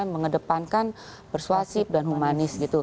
mengedepankan persuasif dan humanis gitu